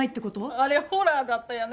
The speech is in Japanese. あれホラーだったよね。